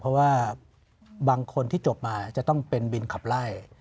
เพราะว่าบางคนที่จบมาจะต้องเป็นบินขับไล่